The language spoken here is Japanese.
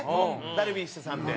ダルビッシュさんって。